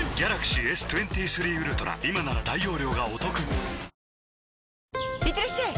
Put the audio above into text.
ニトリいってらっしゃい！